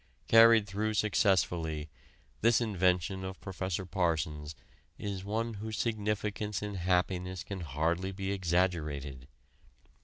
Carried through successfully, this invention of Prof. Parsons' is one whose significance in happiness can hardly be exaggerated.